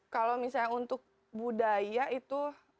kalau misalnya untuk budaya itu